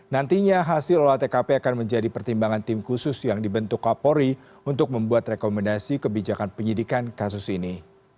nantinya hasil olah tkp akan menjadi pertimbangan tim khusus yang dibentuk kapolri untuk membuat rekomendasi kebijakan penyidikan kasus ini